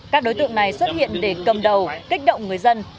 các đối tượng này xuất hiện để cầm đầu kích động người dân